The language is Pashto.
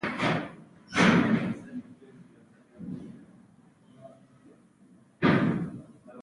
احمده! زه در پر لاره يم؛ تر لمبه مه لوېږه.